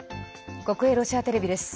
国営ロシアテレビです。